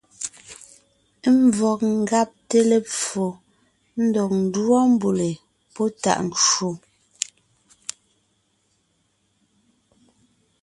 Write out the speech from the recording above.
Ḿvɔg ńgabte lepfo ndɔg ńdúɔ mbʉ̀le pɔ́ tàʼ ncwò.